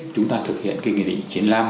chúng ta thực hiện cái nghị định chín mươi năm